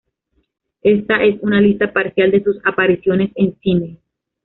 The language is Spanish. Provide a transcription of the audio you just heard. Esta es una lista parcial de sus apariciones en cine.